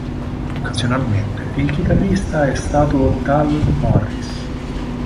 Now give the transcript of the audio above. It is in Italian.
Occasionalmente, il chitarrista è stato Tal Morris.